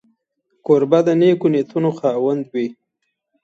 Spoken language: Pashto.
کوربه د نېکو نیتونو خاوند وي.